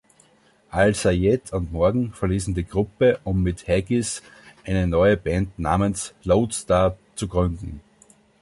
Al-Sayed und Morgan verließen die Gruppe, um mit Haggis eine neue Band namens Lodestar zu gründen.